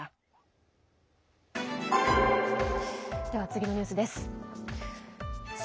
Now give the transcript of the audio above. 次のニュースです。